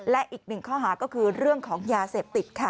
และอีกหนึ่งข้อหาก็คือเรื่องของยาเสพติดค่ะ